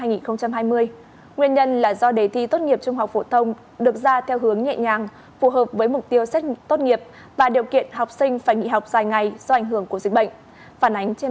nguyên nhân là do đề thi tốt nghiệp trung học phổ thông được ra theo hướng nhẹ nhàng phù hợp với mục tiêu xét tốt nghiệp và điều kiện học sinh phải nghỉ học dài ngày do ảnh hưởng của dịch bệnh